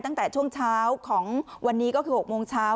ตั้งแต่ช่วงเช้าของวันนี้ก็คือ๖โมงเช้า